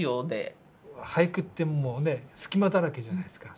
俳句ってもうね隙間だらけじゃないですか。